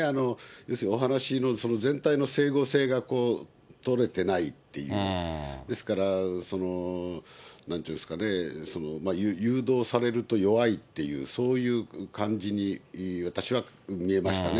要するにお話の全体の整合性が取れてないっていう、ですから、なんというんですかね、誘導されると弱いっていう、そういう感じに私は見えましたね。